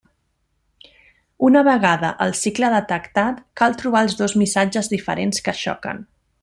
Una vegada el cicle detectat, cal trobar els dos missatges diferents que xoquen.